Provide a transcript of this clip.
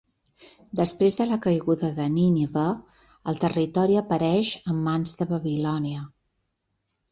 Després de la caiguda de Nínive el territori apareix en mans de Babilònia.